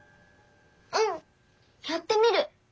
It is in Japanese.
うんやってみる。